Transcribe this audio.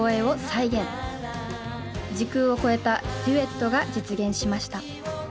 時空を超えたデュエットが実現しました。